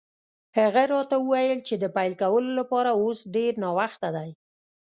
هغه راته وویل چې د پیل کولو لپاره اوس ډېر ناوخته دی.